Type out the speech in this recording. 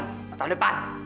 pak tarzan depan